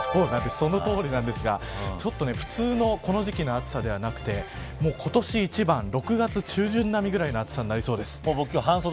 そのとおりなんですがちょっと普通のこの時期の暑さではなくて今年一番、６月中旬並みぐらいの暑さになりそうです。